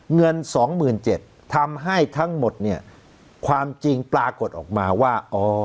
เงิน๒๗๐๐ทำให้ทั้งหมดเนี่ยความจริงปรากฏออกมาว่า